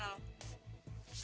aku mau pergi dulu